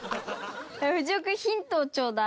ふじお君ヒントちょうだい。